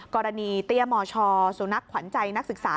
เตี้ยมชสุนัขขวัญใจนักศึกษา